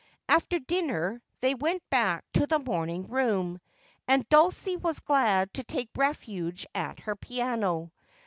After dinner they went back to the morning room, and Dulcie was glad to take refuge at her piano.